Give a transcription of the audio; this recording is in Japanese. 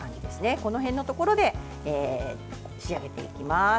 この辺のところで仕上げていきます。